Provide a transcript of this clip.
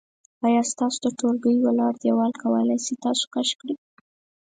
آیا ستاسو د ټولګي ولاړ دیوال کولی شي چې تاسو کش کړي؟